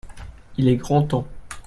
il est grand temps.